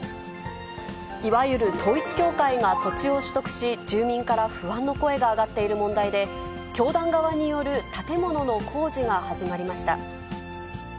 いわゆる統一教会が土地を取得し、住民から不安の声が上がっている問題で、教団側による建物の工事が始まりました。